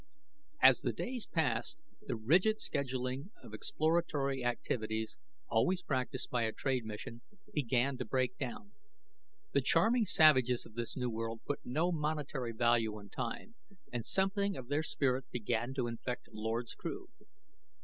As the days passed the rigid scheduling of exploratory activities, always practiced by a trade mission, began to break down. The charming savages of this new world put no monetary value on time, and something of their spirit began to infect Lord's crew.